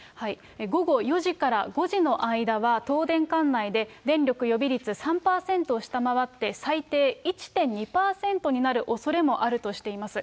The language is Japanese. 午後４時から５時の間は、東電管内で電力予備率３％を下回って、最低１．２％になるおそれもあるとしています。